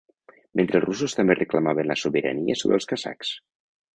Mentre els russos també reclamaven la sobirania sobre els kazakhs.